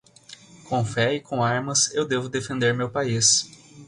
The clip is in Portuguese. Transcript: Com fé e com armas eu devo defender meu país